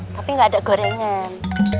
tapi gak ada gorengan